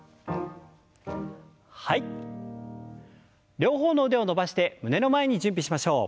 両方の腕を伸ばして胸の前に準備しましょう。